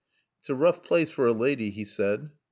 "It's a roough plaace fer a laady," he said.